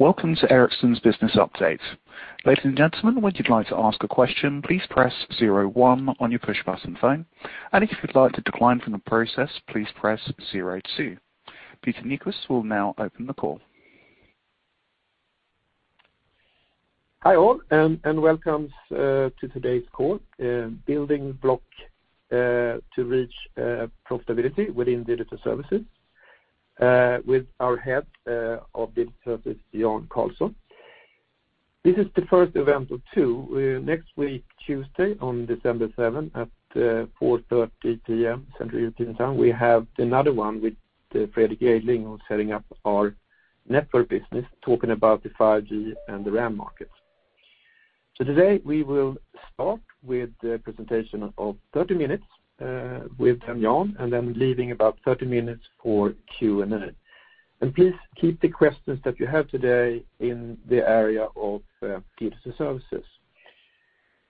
Welcome to Ericsson's Business Update. Ladies and gentlemen, when you would like to ask a question, please press zero one on your push-button phone. If you would like to decline from the process, please press zero two. Peter Nyquist will now open the call. Hi, all, and welcome to today's call, Building Block to Reach Profitability within Digital Services, with our Head of Digital Services, Jan Karlsson. This is the first event of two. Next week Tuesday, on December 7, at 4:30 P.M. Central European Time, we have another one with Fredrik Jejdling on setting up our network business, talking about the 5G and the RAN markets. Today, we will start with the presentation of 30 minutes with Jan, then leaving about 30 minutes for Q&A. Please keep the questions that you have today in the area of Digital Services.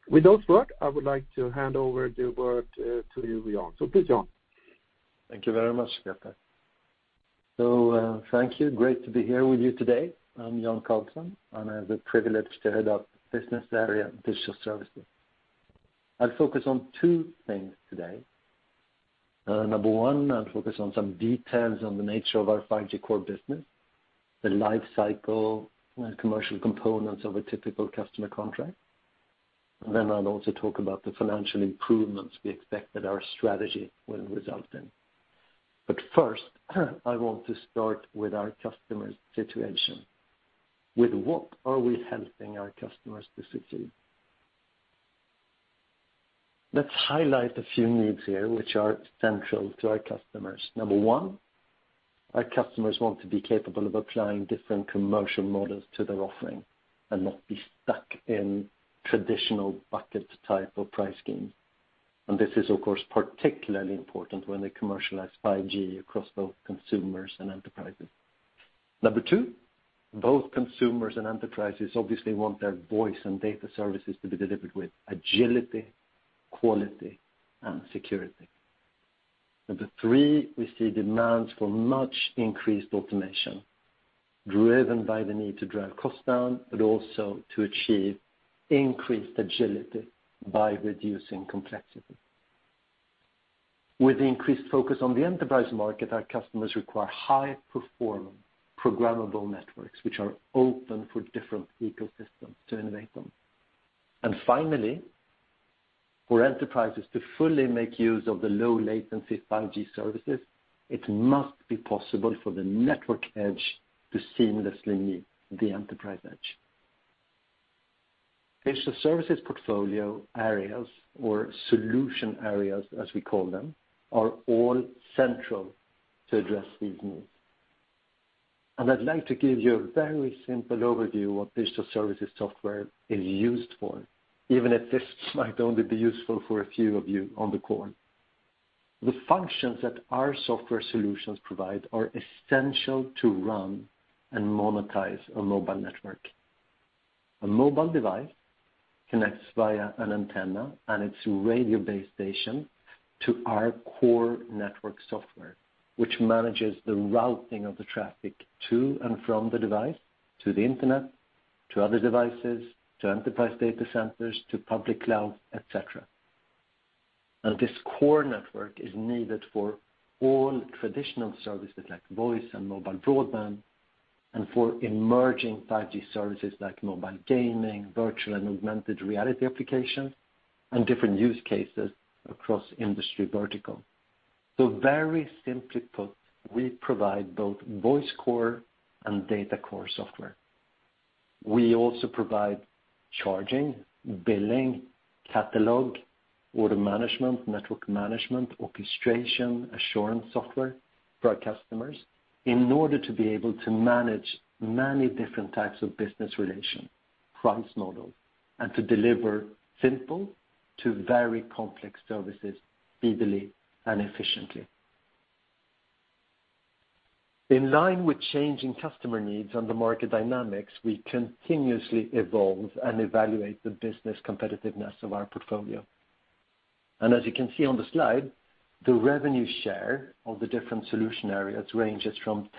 With those words, I would like to hand over the word to you, Jan. Please, Jan. Thank you very much, Peter. Thank you. Great to be here with you today. I am Jan Karlsson, and I have the privilege to head up Business Area Digital Services. I will focus on two things today. Number 1, I will focus on some details on the nature of our 5G Core business, the life cycle, and commercial components of a typical customer contract. Then I will also talk about the financial improvements we expect that our strategy will result in. First, I want to start with our customer situation. With what are we helping our customers to succeed? Let's highlight a few needs here which are central to our customers. Number 1, our customers want to be capable of applying different commercial models to their offering and not be stuck in traditional bucket-type of price schemes. This is, of course, particularly important when they commercialize 5G across both consumers and enterprises. Number 2, both consumers and enterprises obviously want their voice and data services to be delivered with agility, quality, and security. Number 3, we see demands for much increased automation, driven by the need to drive costs down, but also to achieve increased agility by reducing complexity. With increased focus on the enterprise market, our customers require high-performing programmable networks which are open for different ecosystems to innovate them. Finally, for enterprises to fully make use of the low-latency 5G services, it must be possible for the network edge to seamlessly meet the enterprise edge. Digital Services portfolio areas or solution areas, as we call them, are all central to address these needs. I'd like to give you a very simple overview of what Digital Services software is used for, even if this might only be useful for a few of you on the call. The functions that our software solutions provide are essential to run and monetize a mobile network. A mobile device connects via an antenna and its radio base station to our core network software, which manages the routing of the traffic to and from the device, to the internet, to other devices, to enterprise data centers, to public cloud, et cetera. This core network is needed for all traditional services like voice and mobile broadband, and for emerging 5G services like mobile gaming, virtual and augmented reality applications, and different use cases across industry vertical. Very simply put, we provide both voice core and data core software. We also provide charging, billing, catalog, order management, network management, orchestration, assurance software for our customers in order to be able to manage many different types of business relation, price models, and to deliver simple to very complex services easily and efficiently. In line with changing customer needs and the market dynamics, we continuously evolve and evaluate the business competitiveness of our portfolio. As you can see on the slide, the revenue share of the different solution areas ranges from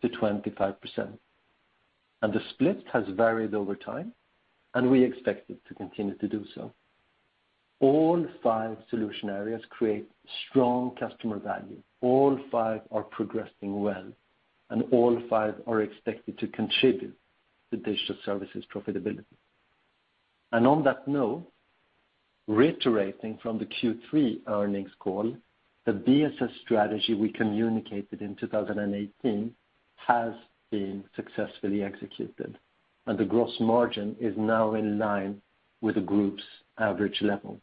10%-25%. The split has varied over time, and we expect it to continue to do so. All five solution areas create strong customer value. All five are progressing well, and all five are expected to contribute to Digital Services profitability. On that note, reiterating from the Q3 earnings call, the DSS strategy we communicated in 2018 has been successfully executed, and the gross margin is now in line with the group's average level.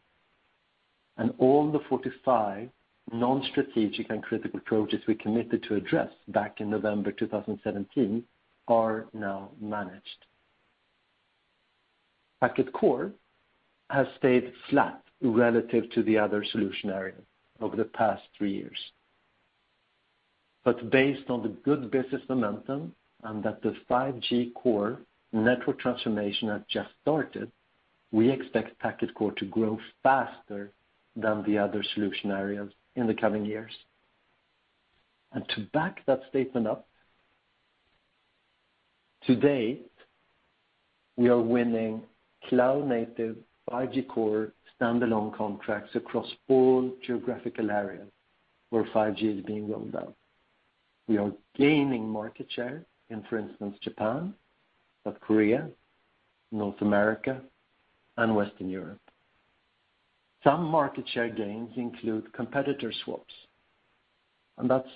All the 45 non-strategic and critical approaches we committed to address back in November 2017 are now managed. Packet Core has stayed flat relative to the other solution areas over the past three years. Based on the good business momentum and that the 5G Core network transformation has just started, we expect Packet Core to grow faster than the other solution areas in the coming years. To back that statement up, today, we are winning cloud-native 5G Core Standalone contracts across all geographical areas where 5G is being rolled out. We are gaining market share in, for instance, Japan, but Korea, North America and Western Europe. Some market share gains include competitor swaps, and that's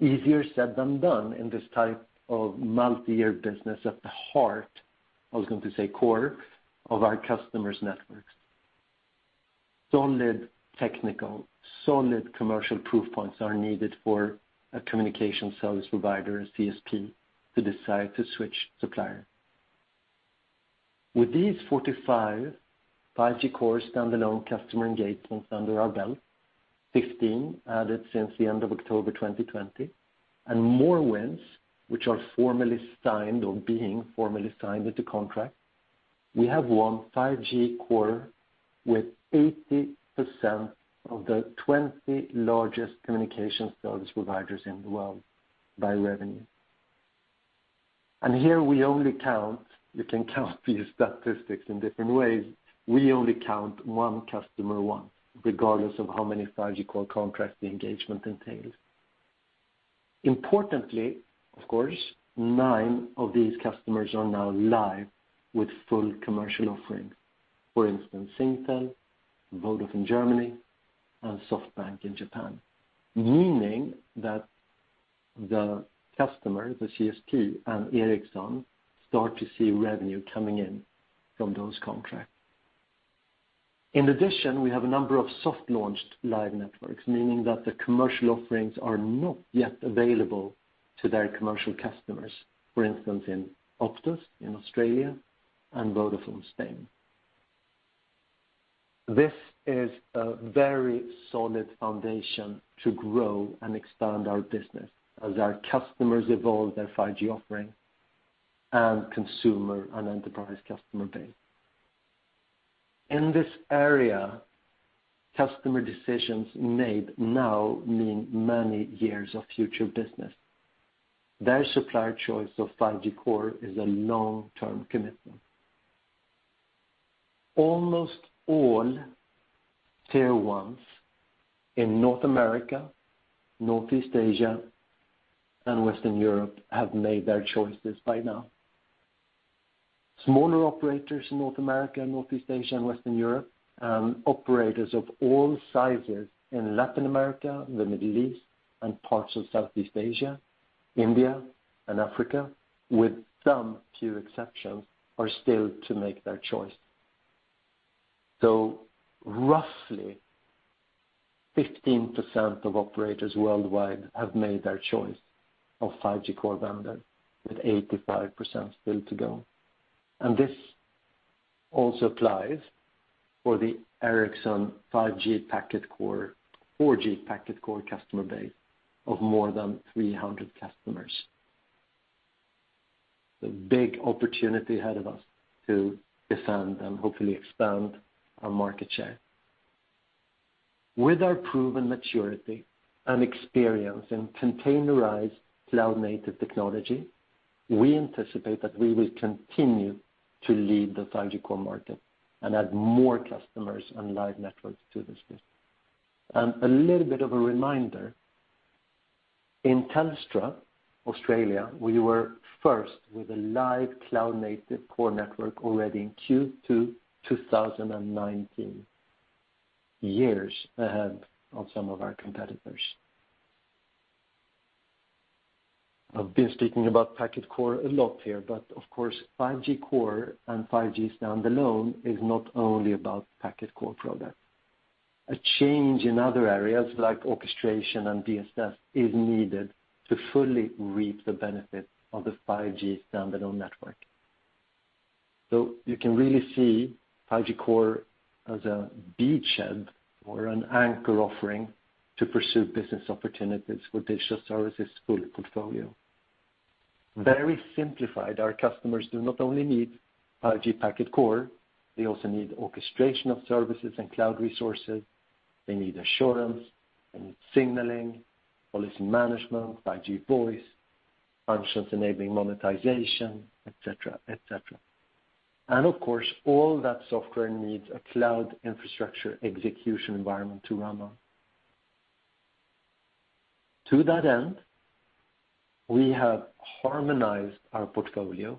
easier said than done in this type of multi-year business at the heart, I was going to say core, of our customers' networks. Solid technical, solid commercial proof points are needed for a communication service provider, a CSP, to decide to switch supplier. With these 45 5G Core Standalone customer engagements under our belt, 15 added since the end of October 2020, and more wins, which are formally signed or being formally signed as a contract, we have won 5G Core with 80% of the 20 largest communication service providers in the world by revenue. Here we only count, you can count these statistics in different ways. We only count one customer once, regardless of how many 5G Core contracts the engagement entails. Importantly, of course, nine of these customers are now live with full commercial offering. For instance, Singtel, Vodafone Germany, and SoftBank in Japan. Meaning that the customer, the CSP, and Ericsson start to see revenue coming in from those contracts. In addition, we have a number of soft-launched live networks, meaning that the commercial offerings are not yet available to their commercial customers. For instance, in Optus in Australia and Vodafone Spain. This is a very solid foundation to grow and expand our business as our customers evolve their 5G offering and consumer and enterprise customer base. In this area, customer decisions made now mean many years of future business. Their supplier choice of 5G Core is a long-term commitment. Almost all tier 1s in North America, Northeast Asia, and Western Europe have made their choices by now. Smaller operators in North America, Northeast Asia, and Western Europe, operators of all sizes in Latin America, the Middle East, and parts of Southeast Asia, India and Africa, with some few exceptions, are still to make their choice. Roughly 15% of operators worldwide have made their choice of 5G Core vendor, with 85% still to go. This also applies for the Ericsson 5G Packet Core, 4G Packet Core customer base of more than 300 customers. Big opportunity ahead of us to defend and hopefully expand our market share. With our proven maturity and experience in containerized cloud-native technology, we anticipate that we will continue to lead the 5G Core market and add more customers and live networks to this space. A little bit of a reminder. In Telstra, Australia, we were first with a live cloud-native core network already in Q2 2019, years ahead of some of our competitors. I've been speaking about Packet Core a lot here, but of course, 5G Core and 5G Standalone is not only about Packet Core products. A change in other areas like orchestration and BSS is needed to fully reap the benefits of the 5G Standalone network. You can really see 5G Core as a beachhead or an anchor offering to pursue business opportunities for Digital Services full portfolio. Very simplified, our customers do not only need 5G Packet Core, they also need orchestration of services and cloud resources, they need assurance, they need signaling, policy management, 5G voice, functions enabling monetization, et cetera. Of course, all that software needs a cloud infrastructure execution environment to run on. To that end, we have harmonized our portfolio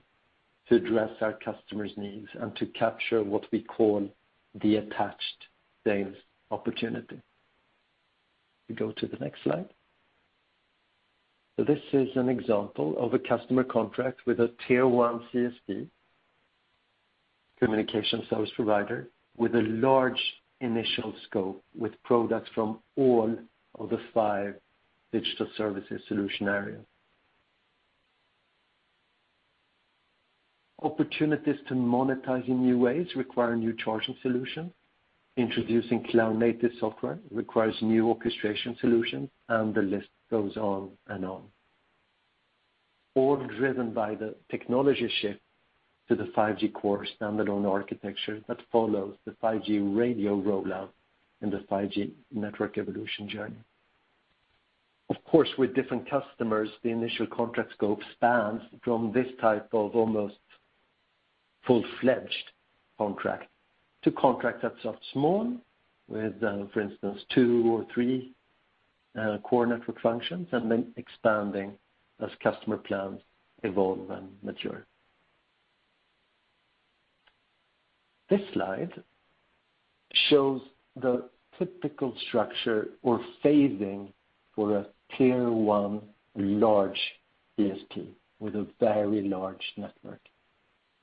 to address our customers' needs and to capture what we call the attached sales opportunity. We go to the next slide. This is an example of a customer contract with a tier 1 CSP, communication service provider, with a large initial scope with products from all of the five Digital Services solution areas. Opportunities to monetize in new ways require new charging solutions. Introducing cloud-native software requires new orchestration solutions, and the list goes on and on. All driven by the technology shift to the 5G Core Standalone architecture that follows the 5G radio rollout and the 5G network evolution journey. Of course, with different customers, the initial contract scope spans from this type of almost full-fledged contract to contract that's small with, for instance, two or three core network functions and then expanding as customer plans evolve and mature. This slide shows the typical structure or phasing for a tier 1 large CSP with a very large network.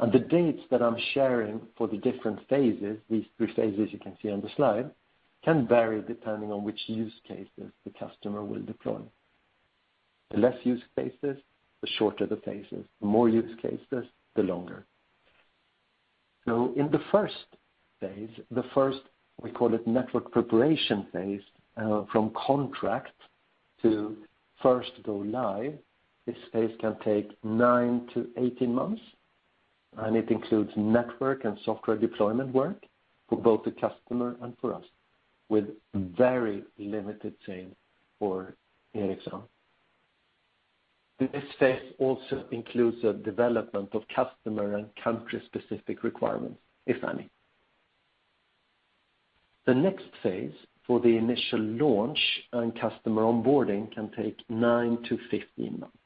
The dates that I'm sharing for the different phases, these three phases you can see on the slide, can vary depending on which use cases the customer will deploy. The less use cases, the shorter the phases. The more use cases, the longer. In the first phase, the first we call it network preparation phase, from contract to first go live, this phase can take 9 to 18 months, and it includes network and software deployment work for both the customer and for us with very limited sales for Ericsson. This phase also includes the development of customer and country-specific requirements, if any. The next phase for the initial launch and customer onboarding can take 9 to 15 months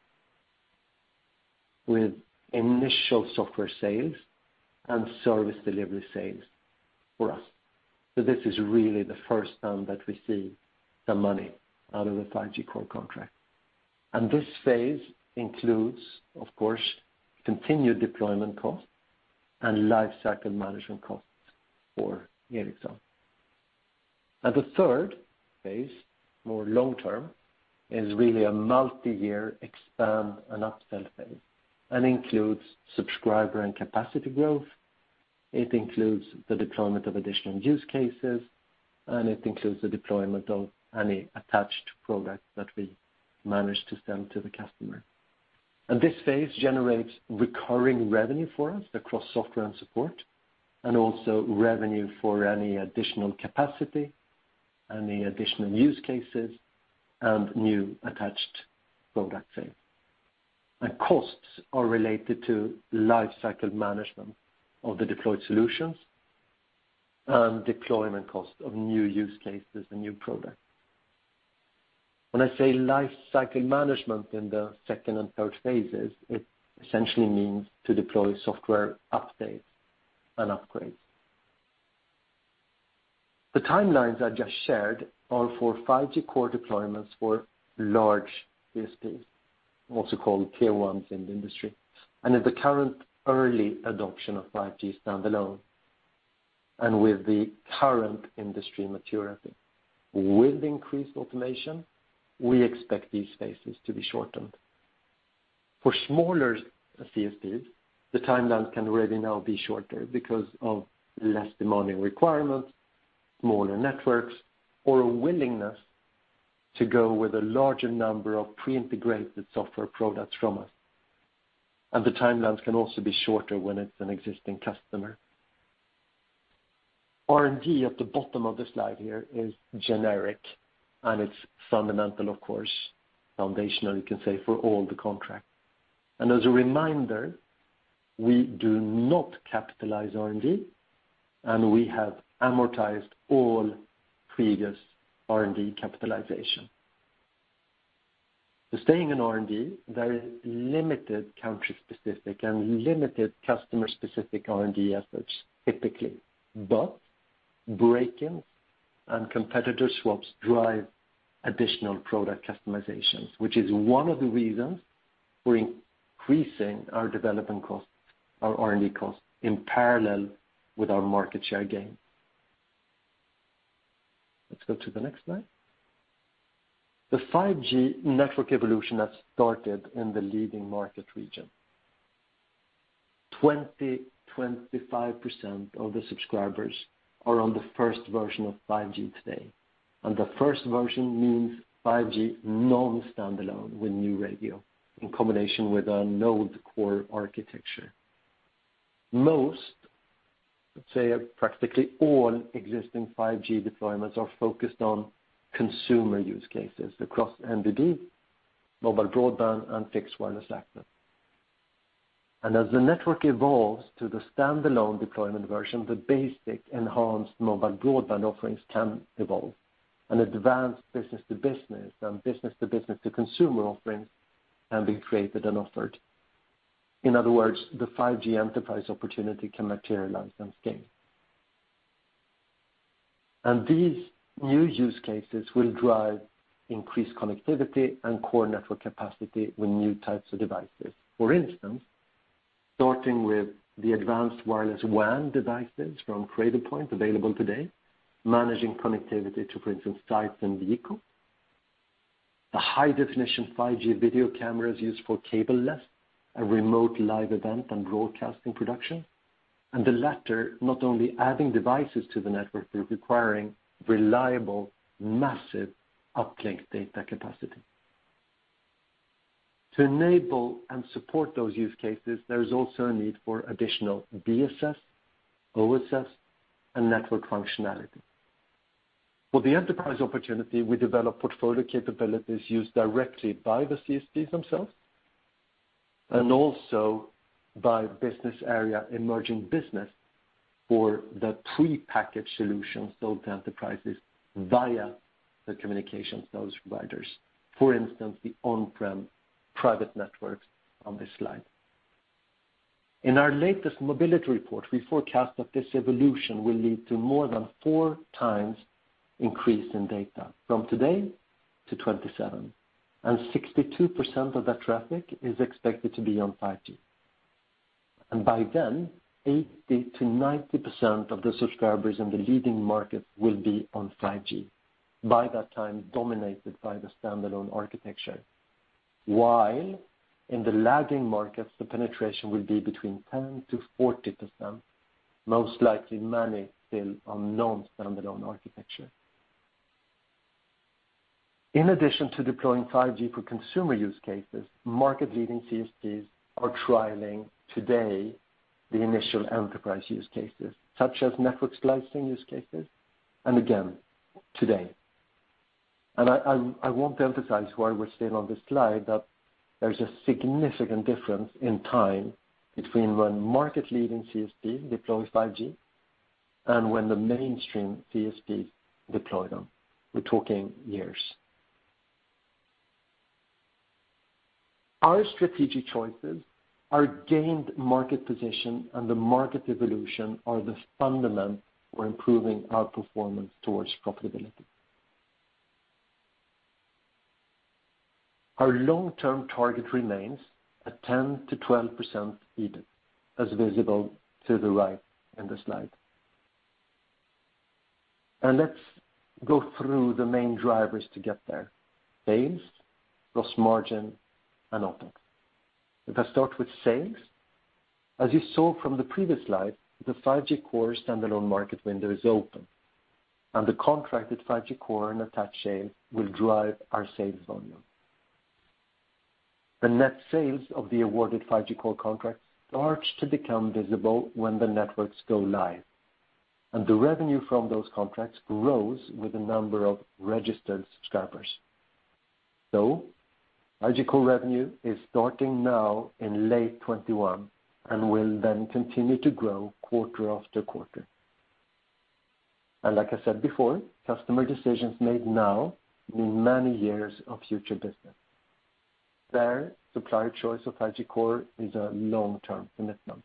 with initial software sales and service delivery sales for us. This is really the first time that we see the money out of a 5G Core contract. This phase includes, of course, continued deployment costs and life cycle management costs for Ericsson. The third phase, more long-term, is really a multi-year expand and upsell phase and includes subscriber and capacity growth. It includes the deployment of additional use cases, and it includes the deployment of any attached product that we manage to sell to the customer. This phase generates recurring revenue for us across software and support, and also revenue for any additional capacity, any additional use cases, and new attached product sales. Costs are related to life cycle management of the deployed solutions and deployment cost of new use cases and new products. When I say life cycle management in the second and third phases, it essentially means to deploy software updates and upgrades. The timelines I just shared are for 5G Core deployments for large CSPs, also called tier 1s in the industry. At the current early adoption of 5G Standalone and with the current industry maturity, with increased automation, we expect these phases to be shortened. For smaller CSPs, the timelines can already now be shorter because of less demanding requirements, smaller networks, or a willingness to go with a larger number of pre-integrated software products from us. The timelines can also be shorter when it's an existing customer. R&D at the bottom of the slide here is generic, and it's fundamental, of course, foundational, you can say, for all the contracts. As a reminder, we do not capitalize R&D, and we have amortized all previous R&D capitalization. Staying in R&D, very limited country-specific and limited customer-specific R&D efforts, typically, but break-ins and competitor swaps drive additional product customizations, which is one of the reasons we're increasing our development costs, our R&D costs in parallel with our market share gain. Let's go to the next slide. The 5G network evolution that started in the leading market region. 20%-25% of the subscribers are on the first version of 5G today. The first version means 5G Non-Standalone with new radio in combination with a 4G core architecture. Most, let's say practically all existing 5G deployments are focused on consumer use cases across MBB, Mobile Broadband, and Fixed Wireless Access. As the network evolves to the Standalone deployment version, the basic enhanced Mobile Broadband offerings can evolve and advanced business-to-business and business-to-business-to-consumer offerings can be created and offered. In other words, the 5G enterprise opportunity can materialize and scale. These new use cases will drive increased connectivity and core network capacity with new types of devices. For instance, starting with the advanced wireless WAN devices from Cradlepoint available today, managing connectivity to, for instance, sites and vehicles. The high-definition 5G video cameras used for cable-less and remote live event and broadcasting production. The latter, not only adding devices to the network, but requiring reliable, massive uplink data capacity. To enable and support those use cases, there is also a need for additional BSS, OSS, and network functionality. For the enterprise opportunity, we develop portfolio capabilities used directly by the CSPs themselves, and also by business area emerging business for the pre-packaged solutions sold to enterprises via the communication service providers. For instance, the on-prem private networks on this slide. In our latest mobility report, we forecast that this evolution will lead to more than four times increase in data from today to 2027, 62% of that traffic is expected to be on 5G. By then, 80%-90% of the subscribers in the leading markets will be on 5G, by that time dominated by the standalone architecture. While in the lagging markets, the penetration will be between 10%-40%, most likely many still on non-standalone architecture. In addition to deploying 5G for consumer use cases, market leading CSPs are trialing today the initial enterprise use cases, such as network slicing use cases. Again, today. I want to emphasize while we're still on this slide, that there's a significant difference in time between when market-leading CSP deploys 5G and when the mainstream CSP deploy them. We're talking years. Our strategic choices, our gained market position, and the market evolution are the fundament for improving our performance towards profitability. Our long-term target remains a 10%-12% EBIT, as visible to the right in the slide. Let's go through the main drivers to get there, sales, gross margin, and OpEx. If I start with sales, as you saw from the previous slide, the 5G Core Standalone market window is open. The contracted 5G Core and attached sales will drive our sales volume. The net sales of the awarded 5G Core contracts start to become visible when the networks go live, and the revenue from those contracts grows with the number of registered subscribers. 5G Core revenue is starting now in late 2021, will then continue to grow quarter after quarter. Like I said before, customer decisions made now mean many years of future business. There, supplier choice of 5G Core is a long-term commitment.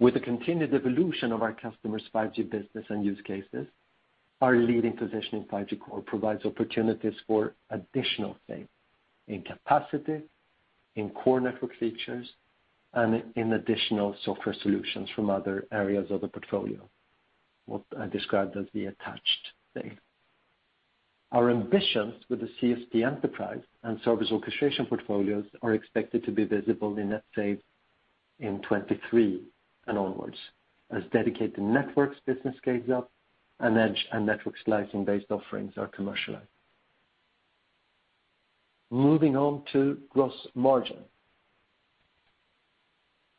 With the continued evolution of our customers' 5G business and use cases, our leading position in 5G Core provides opportunities for additional sales in capacity, in core network features, and in additional software solutions from other areas of the portfolio. What I described as the attached sale. Our ambitions with the CSP enterprise and service orchestration portfolios are expected to be visible in net sales in 2023 and onwards, as dedicated networks business scales up and edge and network slicing-based offerings are commercialized. Moving on to gross margin.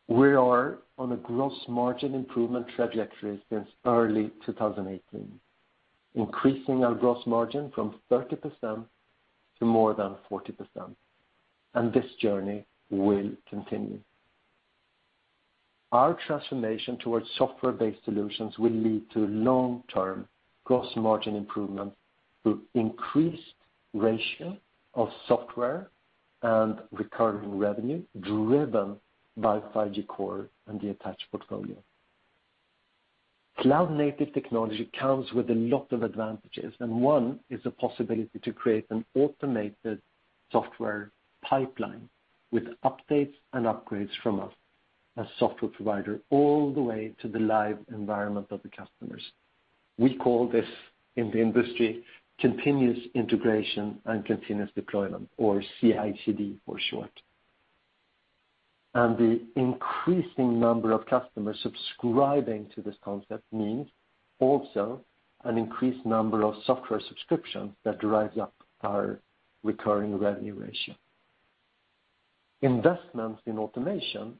We are on a gross margin improvement trajectory since early 2018, increasing our gross margin from 30% to more than 40%, and this journey will continue. Our transformation towards software-based solutions will lead to long-term gross margin improvement through increased ratio of software and recurring revenue driven by 5G Core and the attached portfolio. cloud-native technology comes with a lot of advantages, and one is the possibility to create an automated software pipeline with updates and upgrades from us as software provider all the way to the live environment of the customers. We call this in the industry continuous integration and continuous deployment, or CI/CD for short. The increasing number of customers subscribing to this concept means also an increased number of software subscriptions that drives up our recurring revenue ratio. Investments in automation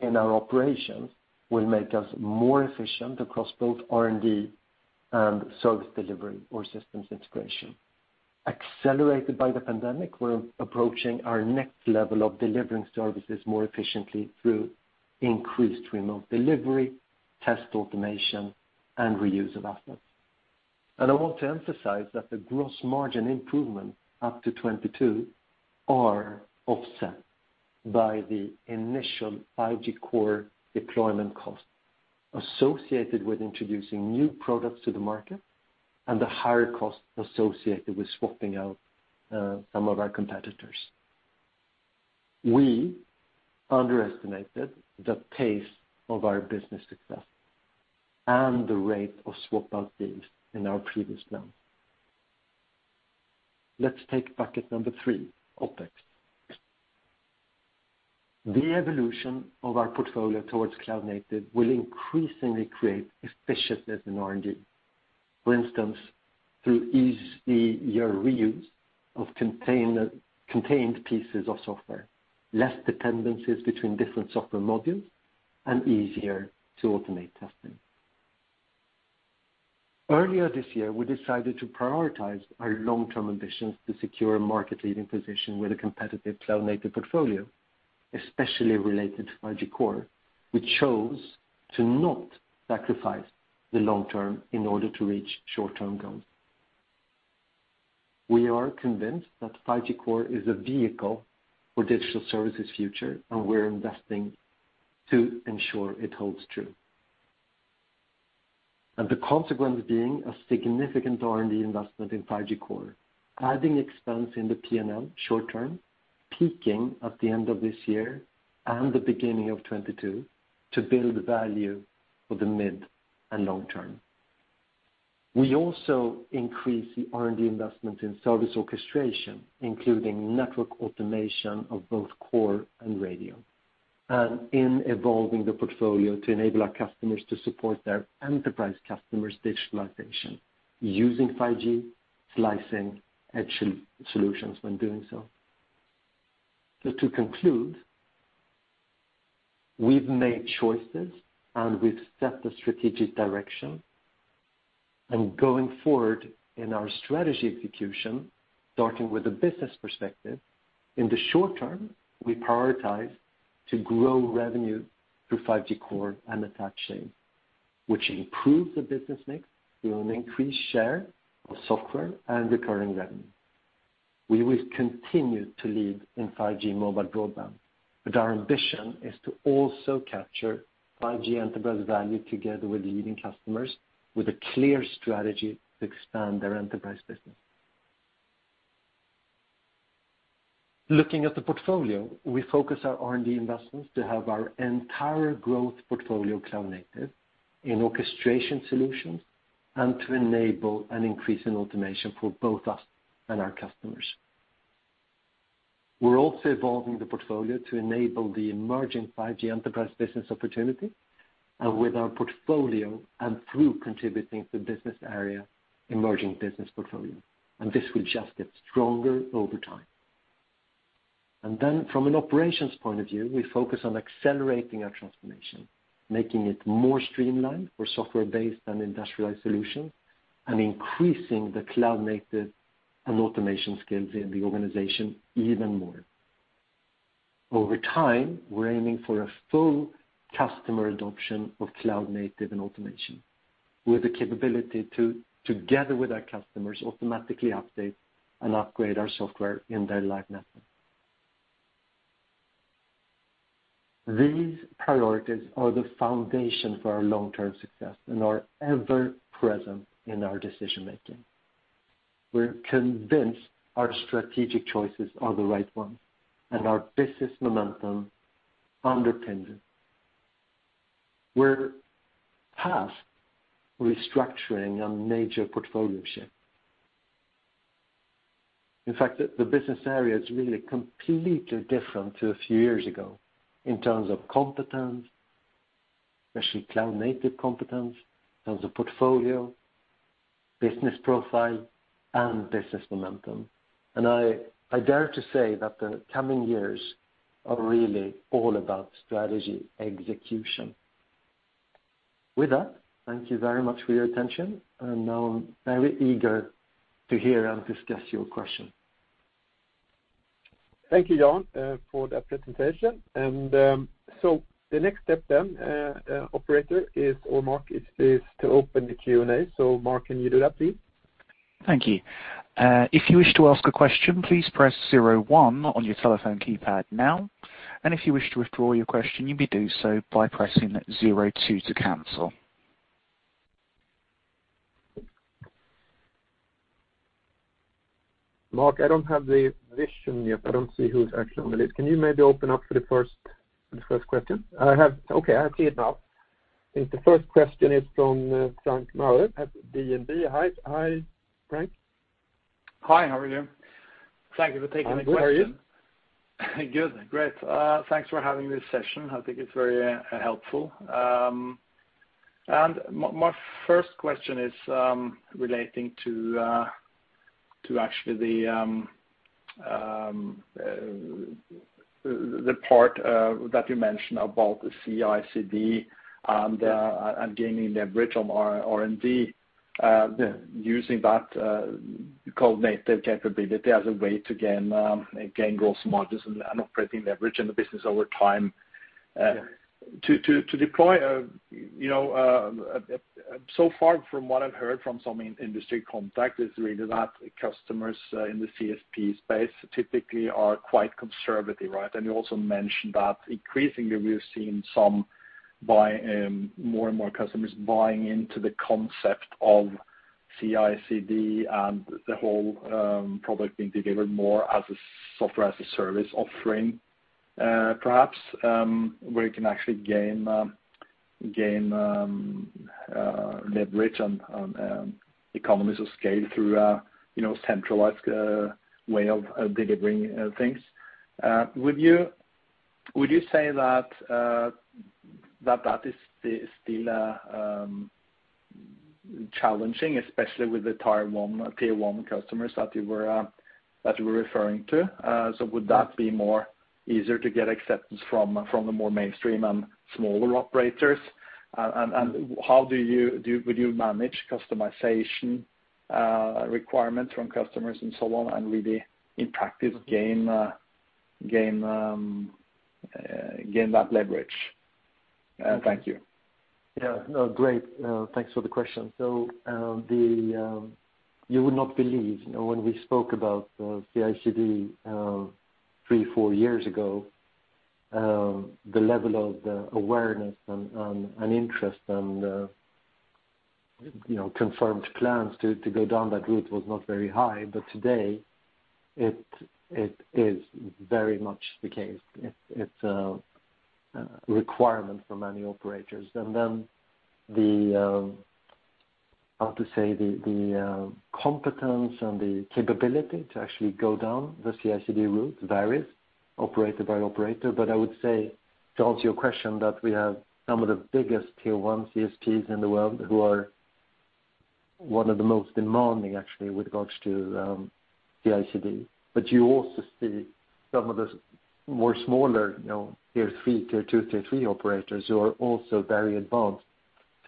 in our operations will make us more efficient across both R&D and service delivery or systems integration. Accelerated by the pandemic, we're approaching our next level of delivering services more efficiently through increased remote delivery, test automation, and reuse of assets. I want to emphasize that the gross margin improvement up to 2022 are offset by the initial 5G Core deployment cost associated with introducing new products to the market and the higher cost associated with swapping out some of our competitors. We underestimated the pace of our business success and the rate of swap-out fees in our previous round. Let's take bucket number 3, OpEx. The evolution of our portfolio towards cloud-native will increasingly create efficiency in R&D. For instance, through easier reuse of contained pieces of software, less dependencies between different software modules, and easier to automate testing. Earlier this year, we decided to prioritize our long-term ambitions to secure a market-leading position with a competitive cloud-native portfolio, especially related to 5G Core. We chose to not sacrifice the long term in order to reach short-term goals. We are convinced that 5G Core is a vehicle for Digital Services' future, and we're investing to ensure it holds true. The consequence being a significant R&D investment in 5G Core, adding expense in the P&L short term, peaking at the end of this year and the beginning of 2022 to build value for the mid and long term. We also increase the R&D investment in service orchestration, including network automation of both core and radio, and in evolving the portfolio to enable our customers to support their enterprise customers' digitalization using 5G slicing edge solutions when doing so. To conclude, we've made choices and we've set the strategic direction. Going forward in our strategy execution, starting with the business perspective, in the short term, we prioritize to grow revenue through 5G Core and attach chain, which improves the business mix through an increased share of software and recurring revenue. We will continue to lead in 5G mobile broadband, but our ambition is to also capture 5G enterprise value together with leading customers with a clear strategy to expand their enterprise business. Looking at the portfolio, we focus our R&D investments to have our entire growth portfolio cloud-native in orchestration solutions and to enable an increase in automation for both us and our customers. We're also evolving the portfolio to enable the emerging 5G enterprise business opportunity and with our portfolio and through contributing to Business Area Emerging Business portfolio. This will just get stronger over time. From an operations point of view, we focus on accelerating our transformation, making it more streamlined for software-based and industrialized solutions, increasing the cloud-native and automation skills in the organization even more. Over time, we're aiming for a full customer adoption of cloud-native and automation with the capability to, together with our customers, automatically update and upgrade our software in their live network. These priorities are the foundation for our long-term success and are ever-present in our decision-making. We're convinced our strategic choices are the right ones and our business momentum underpinned it. We're past restructuring a major portfolio shift. In fact, the business area is really completely different to a few years ago in terms of competence, especially cloud-native competence, in terms of portfolio, business profile, and business momentum. I dare to say that the coming years are really all about strategy execution. With that, thank you very much for your attention, now I'm very eager to hear and discuss your questions. Thank you, Jan, for that presentation. The next step, operator or Mark, is to open the Q&A. Mark, can you do that, please? Thank you. If you wish to ask a question, please press zero one on your telephone keypad now. If you wish to withdraw your question, you may do so by pressing zero two to cancel. Mark, I don't have the vision yet. I don't see who's actually on the list. Can you maybe open up for the first question? Okay, I see it now. I think the first question is from Frank Maurer at DNB. Hi, Frank. Hi, how are you? Thank you for taking the question. How are you? Good. Great. Thanks for having this session. I think it's very helpful. My first question is relating to actually the part that you mentioned about the CI/CD and gaining leverage on R&D, using that cloud-native capability as a way to gain gross margins and operating leverage in the business over time. Yeah. To deploy, so far from what I've heard from some industry contacts is really that customers in the CSP space typically are quite conservative, right? You also mentioned that increasingly we've seen more and more customers buying into the concept of CI/CD and the whole product being delivered more as a software as a service offering, perhaps, where you can actually gain leverage on economies of scale through a centralized way of delivering things. Would you say that is still challenging, especially with the tier 1 customers that you were referring to? Would that be more easier to get acceptance from the more mainstream and smaller operators? How would you manage customization requirements from customers and so on, and really in practice gain that leverage? Thank you. Yeah. No, great. Thanks for the question. You would not believe, when we spoke about CI/CD three, four years ago, the level of awareness and interest and confirmed plans to go down that route was not very high. Today, it is very much the case. It's a requirement for many operators. Then the, how to say, the competence and the capability to actually go down the CI/CD route varies operator by operator. I would say, to answer your question, that we have some of the biggest tier 1 CSPs in the world who are one of the most demanding, actually, with regards to CI/CD. You also see some of the more smaller, tier 2, tier 3 operators who are also very advanced.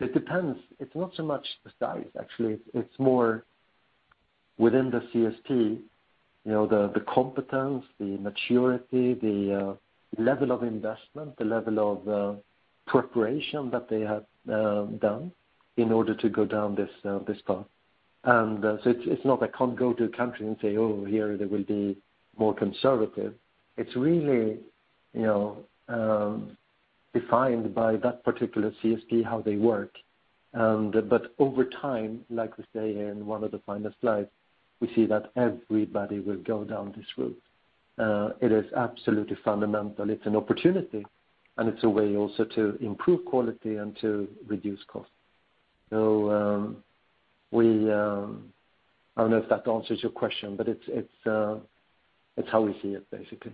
It depends. It's not so much the size, actually. It's more within the CSP, the competence, the maturity, the level of investment, the level of preparation that they have done in order to go down this path. It's not I can't go to a country and say, "Oh, here they will be more conservative." It's really defined by that particular CSP, how they work. Over time, like we say here in one of the final slides, we see that everybody will go down this route. It is absolutely fundamental. It's an opportunity, and it's a way also to improve quality and to reduce cost. I don't know if that answers your question, but it's how we see it, basically.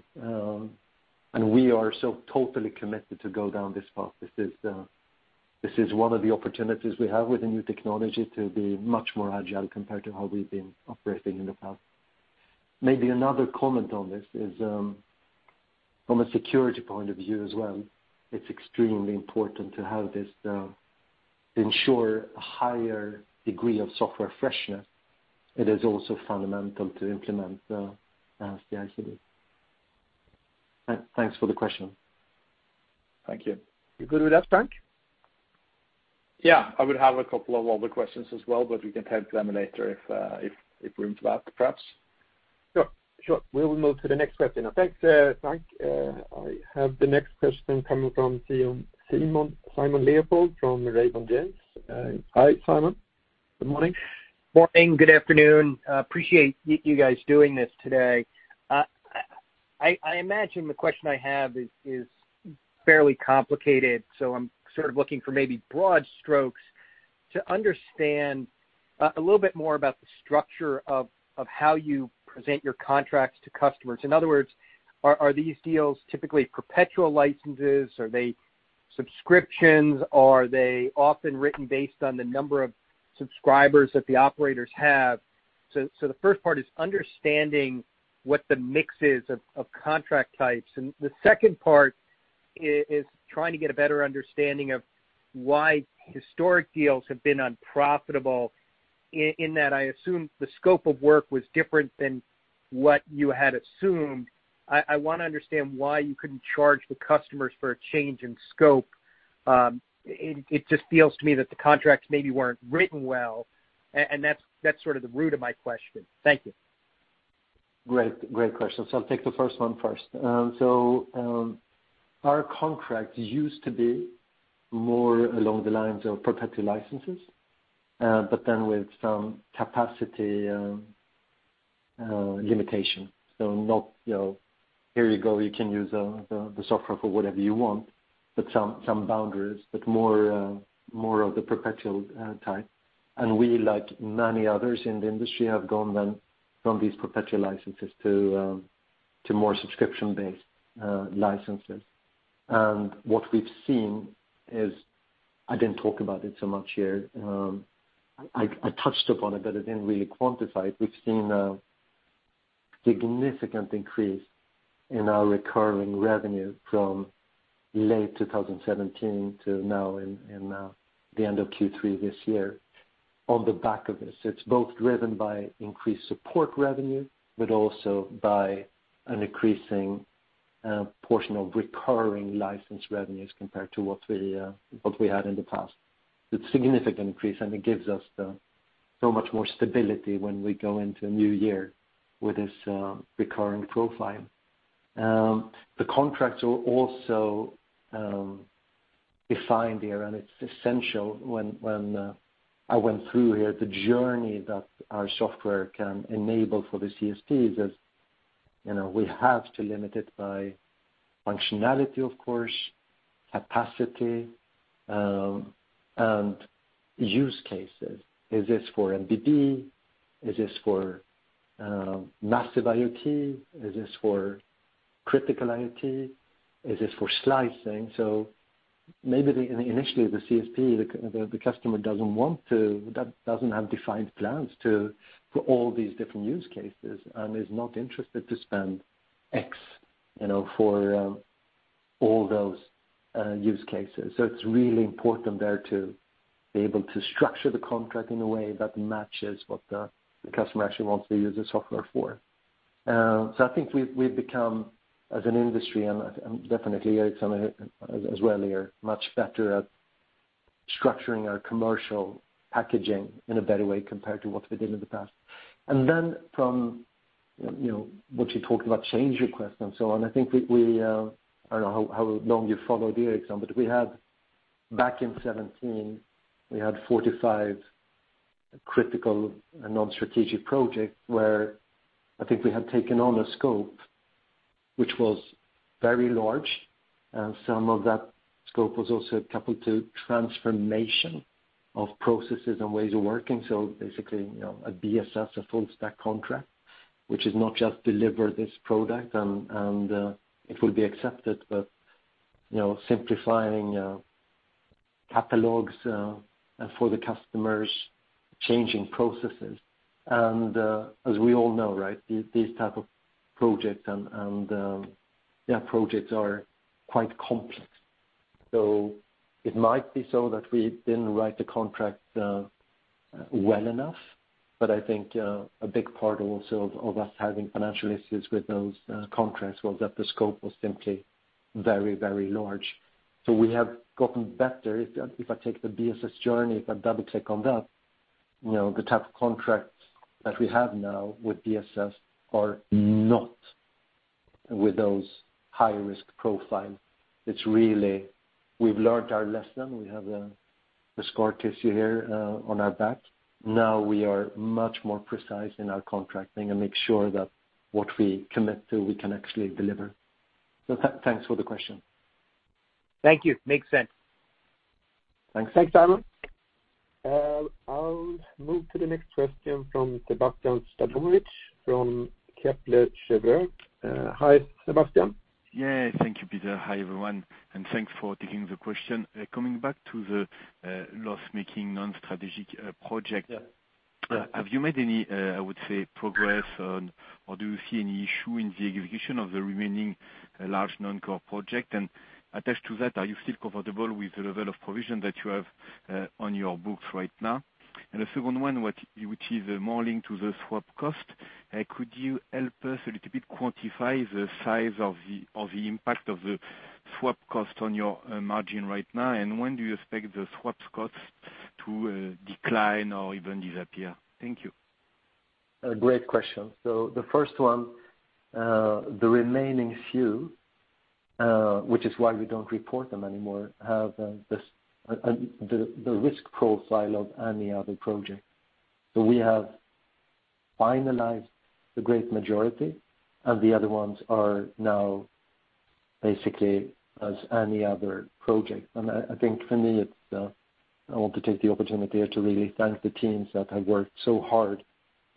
We are so totally committed to go down this path. This is one of the opportunities we have with the new technology to be much more agile compared to how we've been operating in the past. Maybe another comment on this is, from a security point of view as well, it's extremely important to have this ensure a higher degree of software freshness. It is also fundamental to implement the CI/CD. Thanks for the question. Thank you. You good with that, Frank? Yeah, I would have a couple of other questions as well, we can take them later if room for that, perhaps. Sure. We will move to the next question. Thanks, Frank. I have the next question coming from Simon Leopold from Raymond James. Hi, Simon. Good morning. Morning, good afternoon. Appreciate you guys doing this today. I imagine the question I have is fairly complicated, I'm sort of looking for maybe broad strokes to understand a little bit more about the structure of how you present your contracts to customers. In other words, are these deals typically perpetual licenses? Are they subscriptions? Are they often written based on the number of subscribers that the operators have? The first part is understanding what the mix is of contract types. The second part is trying to get a better understanding of why historic deals have been unprofitable, in that I assume the scope of work was different than what you had assumed. I want to understand why you couldn't charge the customers for a change in scope. It just feels to me that the contracts maybe weren't written well, and that's sort of the root of my question. Thank you. Great question. I'll take the first one first. Our contract used to be more along the lines of perpetual licenses, but then with some capacity limitation. Not, here you go, you can use the software for whatever you want, but some boundaries, but more of the perpetual type. We, like many others in the industry, have gone then from these perpetual licenses to more subscription-based licenses. What we've seen is, I didn't talk about it so much here, I touched upon it, but I didn't really quantify it. We've seen a significant increase in our recurring revenue from late 2017 to now in the end of Q3 this year on the back of this. It's both driven by increased support revenue, but also by an increasing portion of recurring license revenues compared to what we had in the past. It's a significant increase, it gives us so much more stability when we go into a new year with this recurring profile. The contracts are also defined here, it's essential when I went through here, the journey that our software can enable for the CSPs as We have to limit it by functionality, of course, capacity, and use cases. Is this for MBB? Is this for massive IoT? Is this for critical IoT? Is this for slicing? Maybe initially, the CSP, the customer doesn't have defined plans for all these different use cases, and is not interested to spend X for all those use cases. It's really important there to be able to structure the contract in a way that matches what the customer actually wants to use the software for. I think we've become, as an industry, and definitely Ericsson as well here, much better at structuring our commercial packaging in a better way compared to what we did in the past. From what you talked about, change requests and so on, I don't know how long you followed Ericsson, but back in 2017, we had 45 critical non-strategic projects where I think we had taken on a scope which was very large, and some of that scope was also coupled to transformation of processes and ways of working. Basically, a BSS, a full stack contract, which is not just deliver this product and it will be accepted, but simplifying catalogs for the customers, changing processes. As we all know, these type of projects are quite complex. It might be so that we didn't write the contract well enough. I think a big part also of us having financial issues with those contracts was that the scope was simply very large. We have gotten better. If I take the BSS journey, if I double-click on that, the type of contracts that we have now with BSS are not with those high-risk profile. We've learned our lesson. We have the scar tissue here on our back. Now we are much more precise in our contracting and make sure that what we commit to, we can actually deliver. Thanks for the question. Thank you. Makes sense. Thanks. Thanks, Simon. I'll move to the next question from Sébastien Sztabowicz from Kepler Cheuvreux. Hi, Sébastien. Yeah, thank you, Peter. Hi, everyone, and thanks for taking the question. Coming back to the loss-making non-strategic project. Yeah Have you made any, I would say, progress on or do you see any issue in the execution of the remaining large non-core project? Attached to that, are you still comfortable with the level of provision that you have on your books right now? The second one, which is more linked to the swap cost, could you help us a little bit quantify the size of the impact of the swap cost on your margin right now? When do you expect the swap cost to decline or even disappear? Thank you. A great question. The first one, the remaining few, which is why we don't report them anymore, have the risk profile of any other project. We have finalized the great majority, and the other ones are now basically as any other project. I think for me, I want to take the opportunity here to really thank the teams that have worked so hard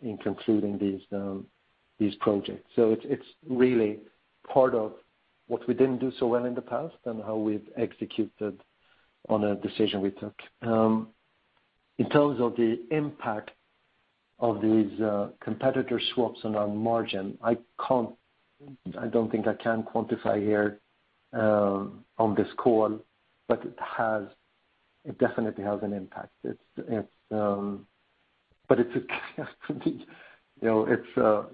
in concluding these projects. It's really part of what we didn't do so well in the past and how we've executed on a decision we took. In terms of the impact of these competitor swaps on our margin, I don't think I can quantify here on this call, but it definitely has an impact. It's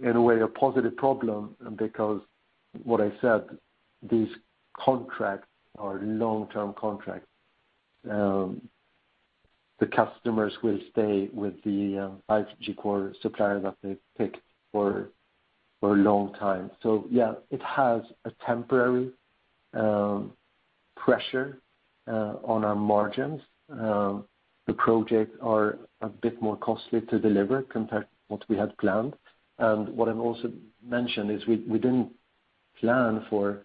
in a way a positive problem because what I said, these contracts are long-term contracts. The customers will stay with the 5G Core supplier that they've picked for a long time. Yeah, it has a temporary pressure on our margins. The projects are a bit more costly to deliver compared to what we had planned. What I've also mentioned is we didn't plan for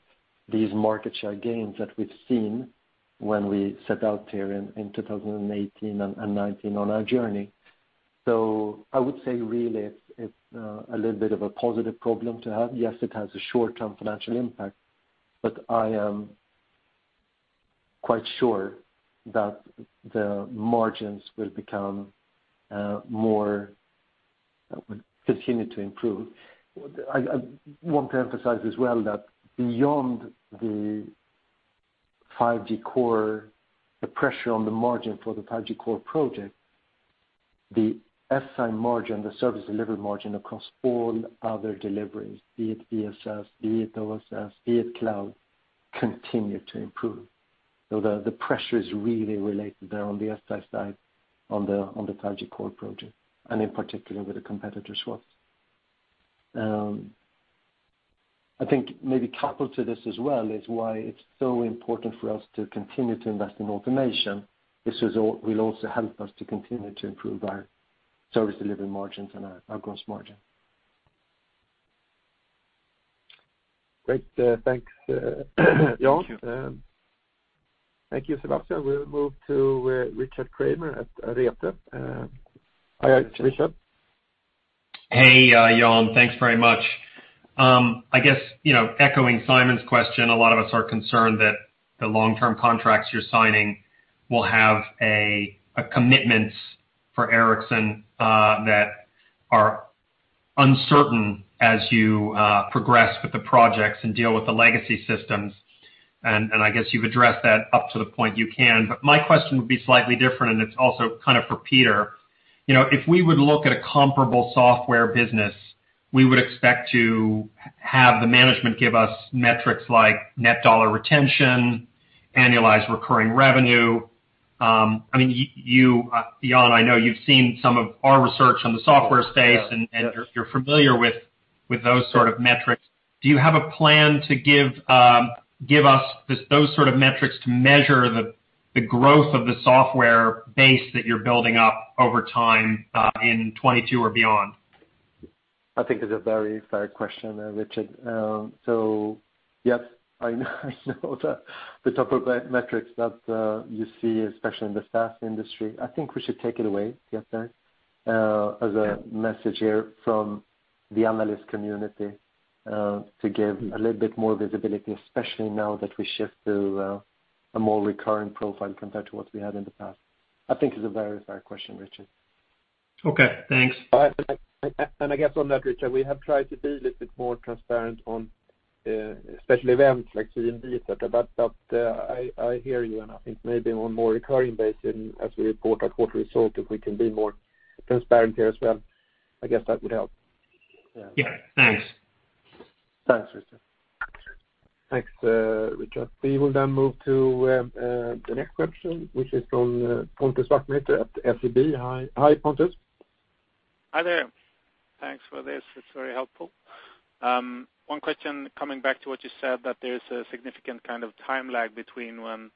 these market share gains that we've seen when we set out here in 2018 and 2019 on our journey. I would say really, it's a little bit of a positive problem to have. Yes, it has a short-term financial impact, but I am quite sure that the margins will continue to improve. I want to emphasize as well that beyond the pressure on the margin for the 5G Core project, the SI margin, the service delivery margin across all other deliveries, be it BSS, be it OSS, be it cloud, continue to improve. The pressure is really related there on the SI side, on the 5G Core project, and in particular with the competitor swaps. I think maybe coupled to this as well is why it's so important for us to continue to invest in automation. This will also help us to continue to improve our service delivery margins and our gross margin. Great. Thanks, Jan. Thank you. Thank you, Sébastien. We'll move to Richard Kramer at Arete. Hi, Richard. Hey, Jan. Thanks very much. I guess, echoing Simon's question, a lot of us are concerned that the long-term contracts you're signing will have a commitment for Ericsson that are uncertain as you progress with the projects and deal with the legacy systems, and I guess you've addressed that up to the point you can. My question would be slightly different, and it's also kind of for Peter. If we would look at a comparable software business, we would expect to have the management give us metrics like net dollar retention, annualized recurring revenue. Jan, I know you've seen some of our research on the software space, and you're familiar with those sort of metrics. Do you have a plan to give us those sort of metrics to measure the growth of the software base that you're building up over time, in 2022 or beyond? I think it's a very fair question, Richard. Yes, I know the type of metrics that you see, especially in the SaaS industry. I think we should take it away, Jesper, as a message here from the analyst community, to give a little bit more visibility, especially now that we shift to a more recurring profile compared to what we had in the past. I think it's a very fair question, Richard. Okay, thanks. I guess on that, Richard, we have tried to be a little bit more transparent on, especially events like CMD etcetera, I hear you, I think maybe on more recurring basis as we report our quarterly result, if we can be more transparent here as well, I guess that would help. Yeah. Thanks. Thanks, Richard. Thanks, Richard. We will move to the next question, which is from Pontus Blix at SEB. Hi, Pontus. Hi there. Thanks for this. It's very helpful. One question, coming back to what you said, that there's a significant kind of time lag between when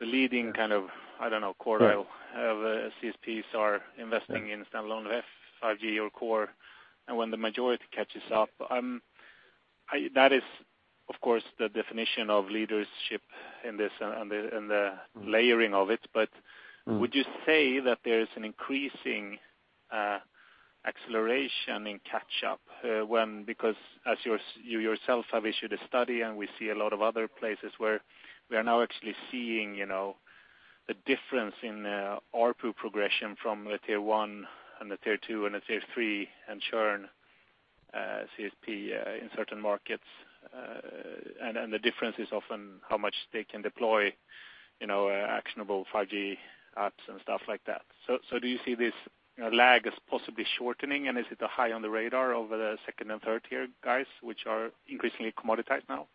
the leading kind of, I don't know, quartile of CSPs are investing in standalone for 5G or core, and when the majority catches up. That is, of course, the definition of leadership in this and the layering of it. Would you say that there is an increasing acceleration in catch up? Because as you yourself have issued a study and we see a lot of other places where we are now actually seeing the difference in ARPU progression from the tier 1 and the tier 2 and the tier 3 and churn, CSP in certain markets, and the difference is often how much they can deploy actionable 5G apps and stuff like that. Do you see this lag as possibly shortening, and is it high on the radar over the 2nd and 3rd tier guys, which are increasingly commoditized now?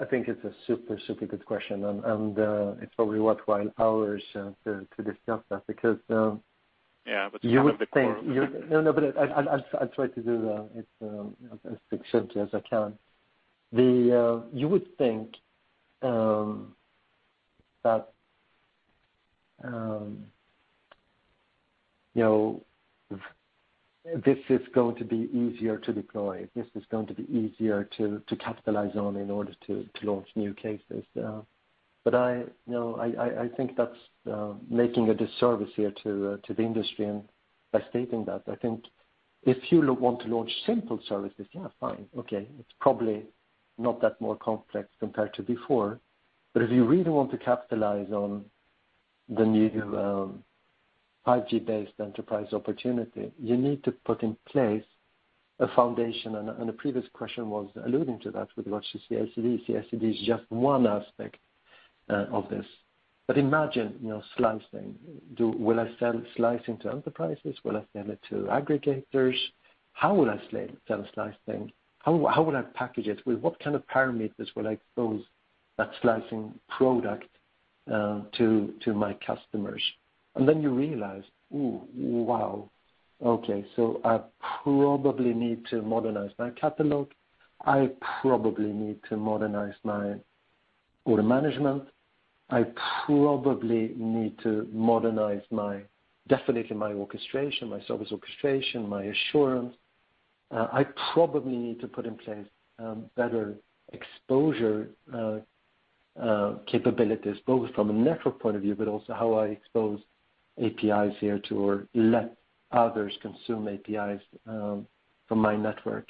I think it's a super good question, and it's probably worthwhile hours to discuss that. Yeah, kind of the core No, I'll try to do that as succinctly as I can. You would think that this is going to be easier to deploy, this is going to be easier to capitalize on in order to launch new cases. I think that's making a disservice here to the industry by stating that. I think if you want to launch simple services, yeah, fine. Okay. It's probably not that more complex compared to before. If you really want to capitalize on the new 5G-based enterprise opportunity, you need to put in place a foundation, and the previous question was alluding to that with regards to CI/CD. CI/CD is just one aspect of this. Imagine slicing. Will I sell slicing to enterprises? Will I sell it to aggregators? How will I sell slicing? How will I package it? With what kind of parameters will I expose that slicing product to my customers? You realize, I probably need to modernize my catalog. I probably need to modernize my order management. I probably need to modernize, definitely my service orchestration, my assurance. I probably need to put in place better exposure capabilities, both from a network point of view, but also how I expose APIs here to, or let others consume APIs from my network.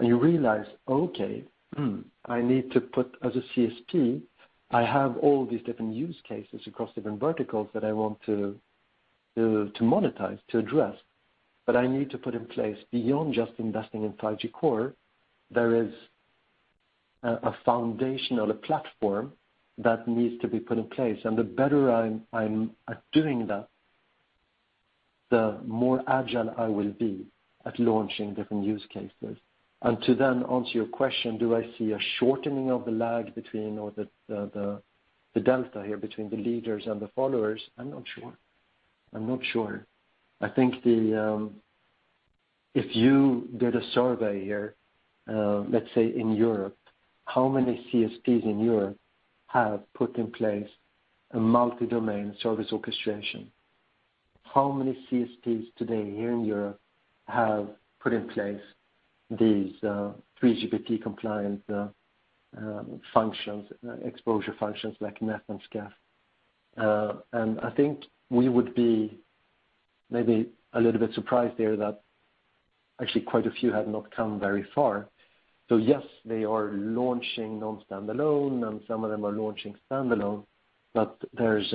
You realize, I need to put, as a CSP, I have all these different use cases across different verticals that I want to monetize, to address. I need to put in place, beyond just investing in 5G Core, there is a foundation or a platform that needs to be put in place. The better I'm at doing that, the more agile I will be at launching different use cases. To answer your question, do I see a shortening of the lag between, or the delta here between the leaders and the followers? I'm not sure. I'm not sure. I think if you did a survey here, let's say in Europe, how many CSPs in Europe have put in place a multi-domain service orchestration? How many CSPs today here in Europe have put in place these 3GPP compliant exposure functions like NEF and SCEF? I think we would be maybe a little bit surprised there that actually quite a few have not come very far. Yes, they are launching non-standalone, and some of them are launching standalone, there's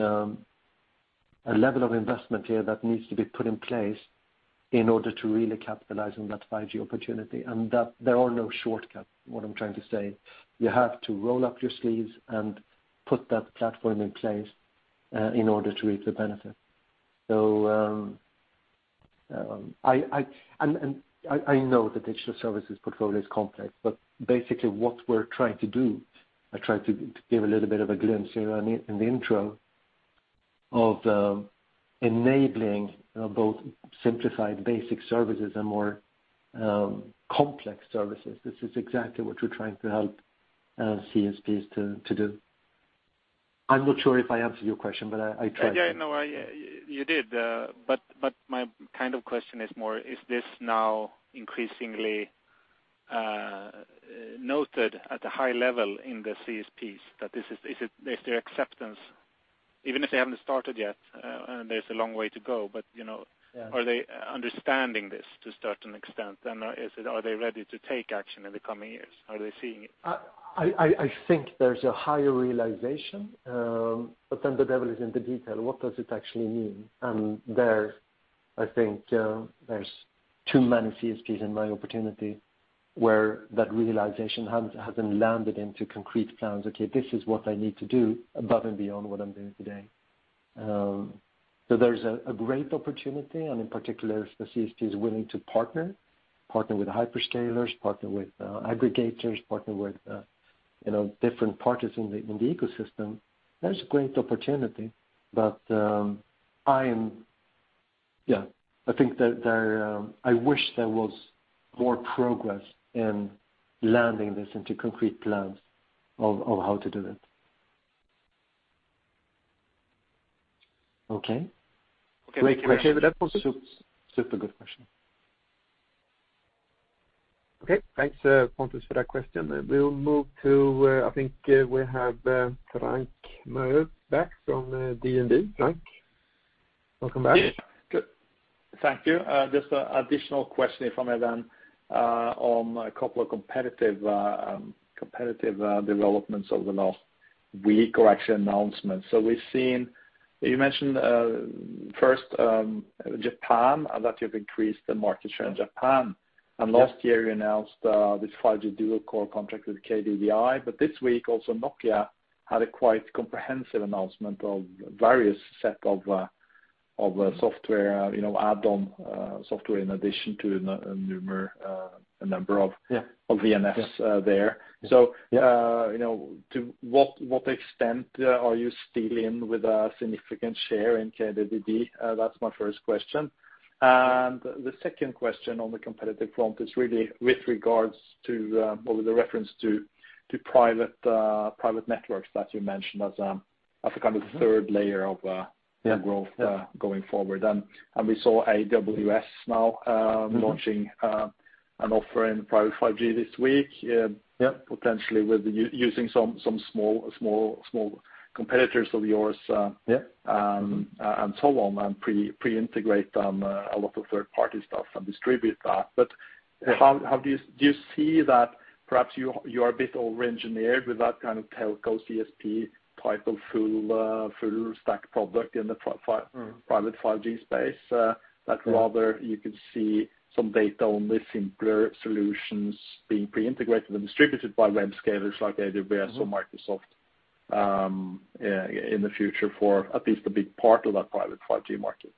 a level of investment here that needs to be put in place in order to really capitalize on that 5G opportunity, that there are no shortcuts, what I'm trying to say. You have to roll up your sleeves and put that platform in place in order to reap the benefit. I know the digital services portfolio is complex, basically what we're trying to do, I tried to give a little bit of a glimpse here in the intro of enabling both simplified basic services and more complex services. This is exactly what we're trying to help CSPs to do. I'm not sure if I answered your question, I tried. Yeah, no, you did. My kind of question is more, is this now increasingly noted at a high level in the CSPs? Is there acceptance even if they haven't started yet and there's a long way to go, are they understanding this to a certain extent, and are they ready to take action in the coming years? Are they seeing it? I think there's a higher realization, the devil is in the detail. What does it actually mean? There, I think, there's too many CSPs in my opportunity where that realization hasn't landed into concrete plans. This is what I need to do above and beyond what I'm doing today. There's a great opportunity, and in particular, if the CSP is willing to partner with hyperscalers, partner with aggregators, partner with different parties in the ecosystem, there's a great opportunity. I wish there was more progress in landing this into concrete plans of how to do that. Can I share that, Pontus? Super good question. Thanks, Pontus, for that question. We'll move to, I think we have Frank Maurer back from DNB. Frank, welcome back. Thank you. Just an additional question for Jan on a couple of competitive developments over the last week or actually announcements. We've seen, you mentioned, first, Japan, that you've increased the market share in Japan. Yes. Last year, you announced this 5G dual-core contract with KDDI, this week also Nokia had a quite comprehensive announcement of various set of add-on software in addition to a number of- Yeah of VNF there. Yeah. To what extent are you still in with a significant share in KDDI? That's my first question. The second question on the competitive front is really with regards to or the reference to private networks that you mentioned as a kind of third layer of growth going forward. We saw AWS now launching an offer in private 5G this week. Yeah. Potentially with using some small competitors of yours. Yeah So on, and pre-integrate them a lot of third-party stuff and distribute that. Do you see that perhaps you are a bit overengineered with that kind of telco CSP type of full stack product in the private 5G space? That rather you could see some data-only simpler solutions being pre-integrated and distributed by web scalers like AWS or Microsoft in the future for at least a big part of that private 5G market?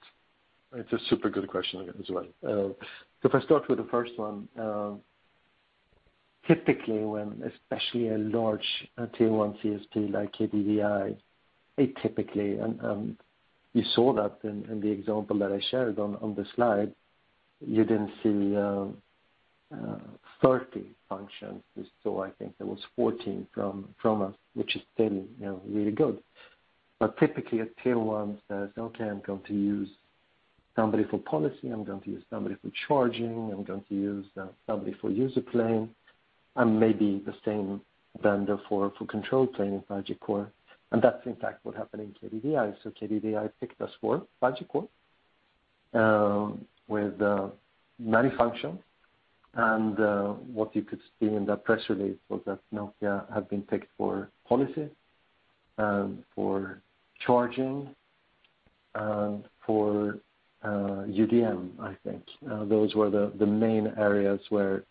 It's a super good question as well. If I start with the first one, typically when especially a large tier 1 CSP like KDDI, it typically, and you saw that in the example that I shared on the slide, you didn't see 30 functions this quarter. I think there was 14 from us, which is still really good. Typically a tier 1 says, "Okay, I'm going to use somebody for policy, I'm going to use somebody for charging, I'm going to use somebody for user plane, and maybe the same vendor for control plane and 5G Core." That's in fact what happened in KDDI. KDDI picked us for 5G Core with many functions. What you could see in that press release was that Nokia had been picked for policy and for charging and for UDM, I think. Those were the main areas where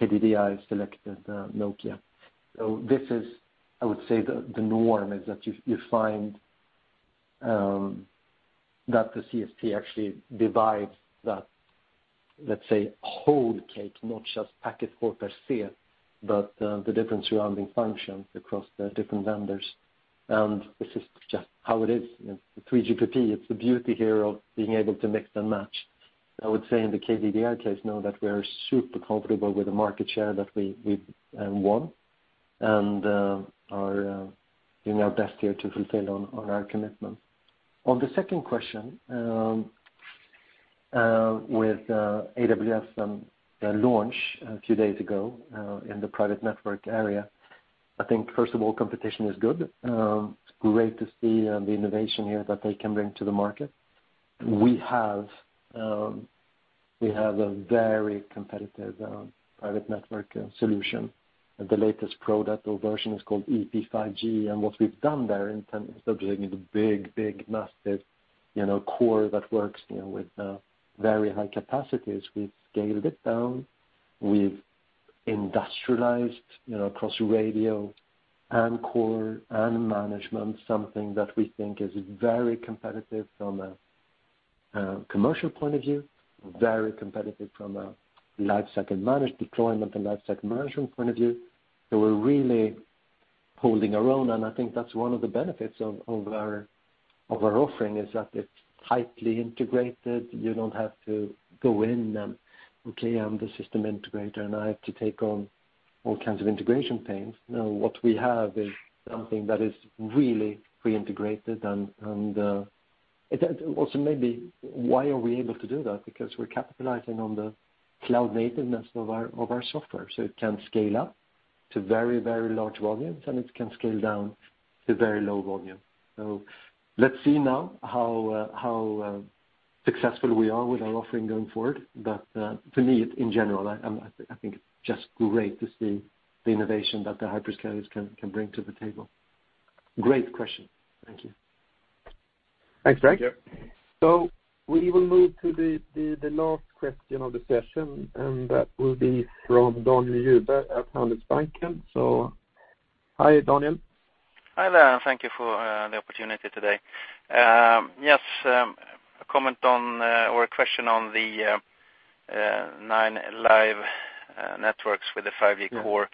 KDDI selected Nokia. This is, I would say, the norm is that you find that the CSP actually divides that Let's say whole cake, not just Packet Core per se, but the different surrounding functions across the different vendors. This is just how it is. 3GPP, it's the beauty here of being able to mix and match. I would say in the KDDI case know that we are super comfortable with the market share that we won and are doing our best here to fulfill on our commitment. On the second question, with AWS and their launch a few days ago in the private network area. I think, first of all, competition is good. It's great to see the innovation here that they can bring to the market. We have a very competitive private network solution, and the latest product or version is called Ericsson EP5G. And what we've done there in terms of delivering the big, massive core that works with very high capacities. We've scaled it down. We've industrialized across radio and core and management, something that we think is very competitive from a commercial point of view, very competitive from a lifecycle managed deployment and lifecycle management point of view. We're really holding our own, and I think that's one of the benefits of our offering is that it's tightly integrated. You don't have to go in and, okay, I'm the system integrator, and I have to take on all kinds of integration pains. What we have is something that is really pre-integrated. And also maybe why are we able to do that? Because we're capitalizing on the cloud-nativeness of our software, so it can scale up to very large volumes, and it can scale down to very low volume. Let's see now how successful we are with our offering going forward. But to me, in general, I think it's just great to see the innovation that the hyperscalers can bring to the table. Great question. Thank you. Thanks, Frank. Yep. We will move to the last question of the session, and that will be from Daniel Djurberg at Handelsbanken. So hi, Daniel. Hi there, and thank you for the opportunity today. Yes, a comment on or a question on the nine live networks with the 5G Core.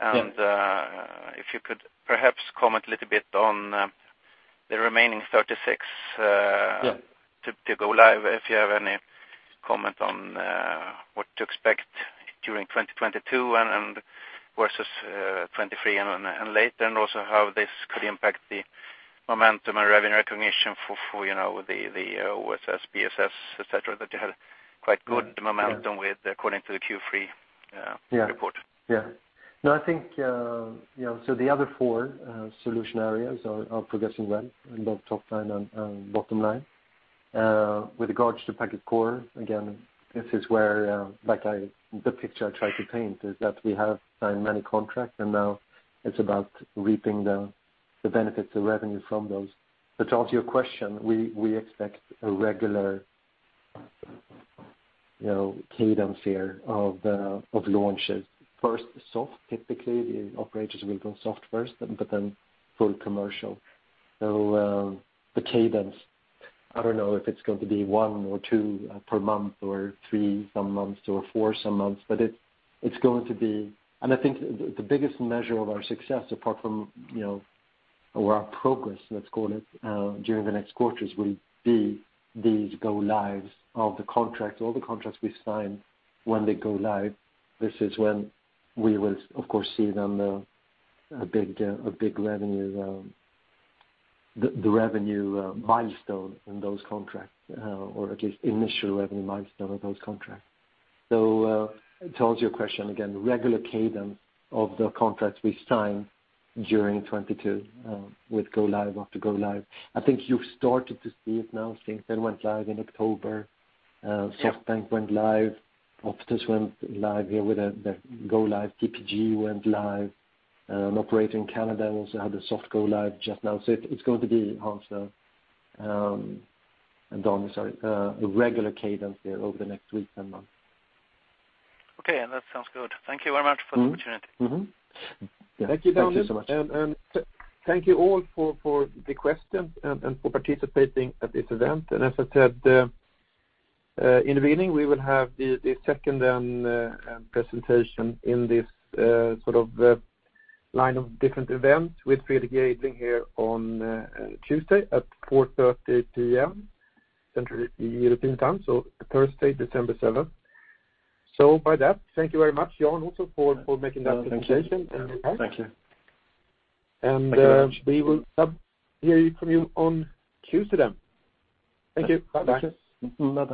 Yeah. If you could perhaps comment a little bit on the remaining 36 Yeah to go live, if you have any comment on what to expect during 2022 versus 2023 and later. Also how this could impact the momentum and revenue recognition for the OSS, BSS, et cetera, that you had quite good momentum with according to the Q3 report. Yeah. The other four solution areas are progressing well in both top line and bottom line. With regards to Packet Core, again, this is where the picture I try to paint is that we have signed many contracts, and now it's about reaping the benefits of revenue from those. To answer your question, we expect a regular cadence here of launches. First, the soft, typically, the operators will go soft first, but then full commercial. The cadence, I don't know if it's going to be one or two per month or three some months or four some months. I think the biggest measure of our success apart from our progress, let's call it, during the next quarters, will be these go lives of the contracts, all the contracts we've signed when they go live. This is when we will, of course, see a big revenue milestone in those contracts or at least initial revenue milestone in those contracts. To answer your question, again, regular cadence of the contracts we've signed during 2022 with go live after go live. I think you've started to see it now since we went live in October. SoftBank went live. Optus went live here with the go live. TPG went live. An operator in Canada also had the soft go live just now. It's going to be Jan and Daniel, sorry, a regular cadence there over the next weeks and months. Okay, that sounds good. Thank you very much for the opportunity. Thank you, Daniel. Thanks so much. Thank you all for the questions and for participating at this event. As I said in the beginning, we will have the second presentation in this line of different events with Fredrik Jejdling here on Tuesday at 4:30 P.M. Central European Time, Thursday, December 7th. With that, thank you very much, Jan, also for making that presentation. Thank you We will hear from you on Tuesday then. Thank you. Bye. Thanks. Bye.